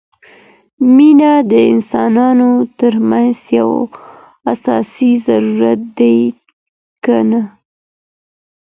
مینه د انسانانو ترمنځ یو اساسي ضرورت دی که نه؟